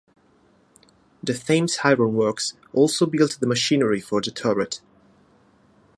The Thames Ironworks also built the machinery for the turret.